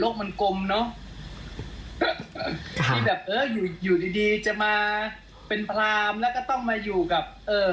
คุณเศร้าเลยก็มีนะครับ